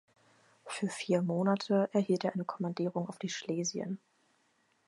Für vier Monate erhielt er eine Kommandierung auf die "Schlesien".